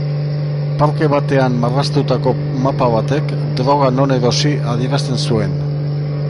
Parke batean marraztutako mapa batek droga non erosi adierazten zuen.